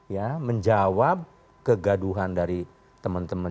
ya menjawab kegaduhan dari teman teman